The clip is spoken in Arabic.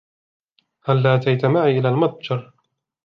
هلا أتيت معي إلى المتجر؟